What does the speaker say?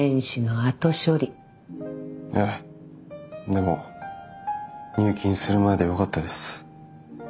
でも入金する前でよかったです。